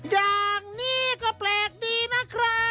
อย่างนี้ก็แปลกดีนะครับ